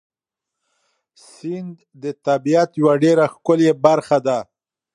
سیند د طبیعت یوه ډېره ښکلې برخه ده.